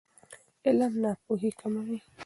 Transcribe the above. علم ناپوهي کموي.